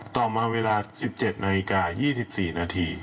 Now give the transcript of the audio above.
ต่อมาเวลา๑๗นาฬิกา๒๔นาที